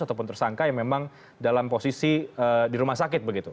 ataupun tersangka yang memang dalam posisi di rumah sakit begitu